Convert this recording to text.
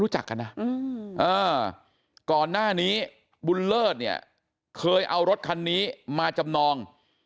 นะก่อนหน้านี้บุญเลิศเนี่ยเคยเอารถคันนี้มาจำนอง